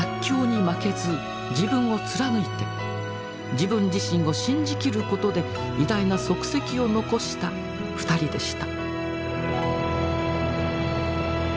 自分自身を信じきることで偉大な足跡を残した２人でした。